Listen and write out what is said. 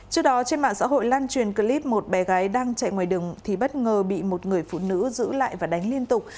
trước đó trên mạng xã hội lan truyền clip một bé gái đang chạy ngoài đường thì bất ngờ bị một người phụ nữ giữ lại và đánh liên tục